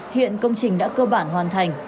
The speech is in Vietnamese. hiện công trình đã cơ bản hoàn thành